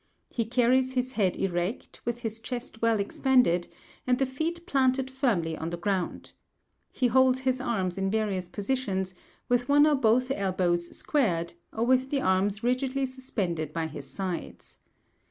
He carries his head erect, with his chest well expanded, and the feet planted firmly on the ground. He holds his arms in various positions, with one or both elbows squared, or with the arms rigidly suspended by his sides.